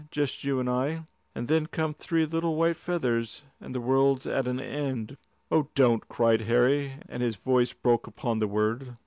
just you and I. And then come three little white feathers, and the world's at an end." "Oh, don't!" cried Harry, and his voice broke upon the word.